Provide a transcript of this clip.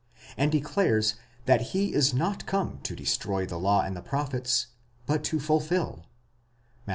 and declares that he is not come to destroy the law and the prophets, but to fulfil (Matt.